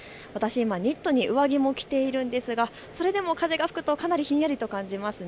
今、ニットに上着を着ているんですがそれでも風が吹くとかなりひんやりと感じます。